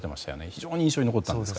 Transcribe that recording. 非常に印象に残ったんですが。